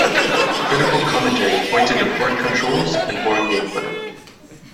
Critical commentary pointed to poor controls and boring gameplay.